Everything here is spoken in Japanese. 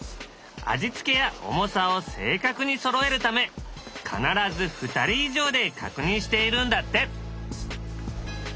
味付けや重さを正確にそろえるため必ず２人以上で確認しているんだって。